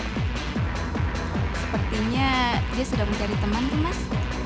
sepertinya dia sudah mencari teman sih mas